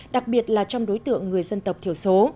đặc biệt là trong đối tượng người dân tộc thiểu số